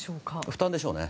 負担でしょうね。